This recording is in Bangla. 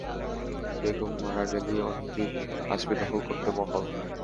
বেগম মারা গেলেই, অনেকেই আসবে দখল করতে মহল।